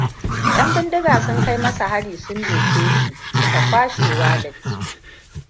Yan bindiga sun kai masa hari. Sun doke shi suka kwashe walat.